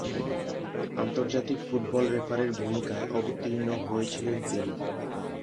আন্তর্জাতিক ফুটবল রেফারির ভূমিকায় অবতীর্ণ হয়েছিলেন তিনি।